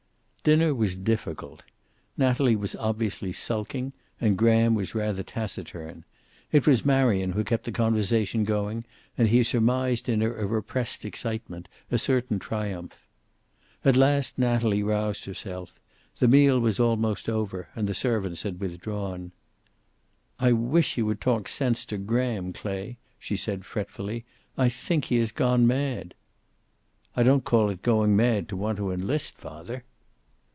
Dinner was difficult. Natalie was obviously sulking, and Graham was rather taciturn. It was Marion who kept the conversation going, and he surmised in her a repressed excitement, a certain triumph. At last Natalie roused herself. The meal was almost over, and the servants had withdrawn. "I wish you would talk sense to Graham, Clay," she said, fretfully. "I think he has gone mad." "I don't call it going mad to want to enlist, father."